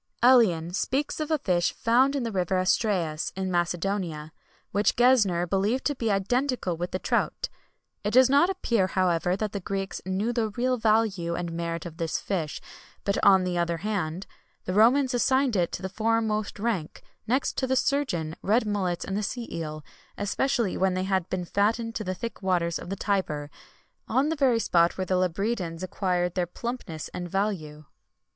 Elian speaks of a fish found in the river Astræus, in Macedonia,[XXI 144] which Gesner believed to be identical with the trout. It does not appear, however, that the Greeks knew the real value and merit of this fish; but on the other hand, the Romans assigned to it the foremost rank, next to the sturgeon, red mullets, and the sea eel, especially when they had been fattened in the thick waters of the Tiber, on the very spot where the labridans acquired their plumpness and value.